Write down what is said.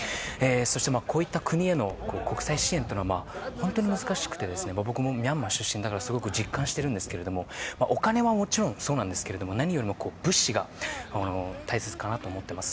そして、こういった国への国際支援というのは本当に難しくて僕もミャンマー出身だからすごく実感していますがお金はもちろんそうですけど何より物資が大切かなと思っています。